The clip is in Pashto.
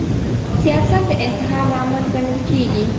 سیاست د انتحار لامل ګڼل کیږي